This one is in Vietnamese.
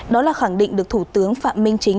đó là khẳng định được thủ tướng phạm minh chính